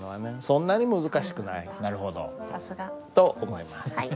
そんなに難しくない。と思います。